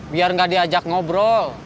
biar nggak diajak ngobrol